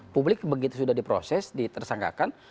publik begitu sudah diproses ditersangkakan